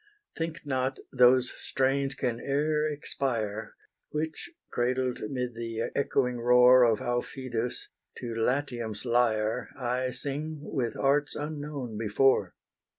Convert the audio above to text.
Think not those strains can e'er expire, Which, cradled 'mid the echoing roar Of Aufidus, to Latium's lyre I sing with arts unknown before.